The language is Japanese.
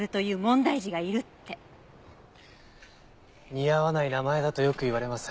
似合わない名前だとよく言われます。